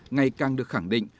ngày càng được khẳng định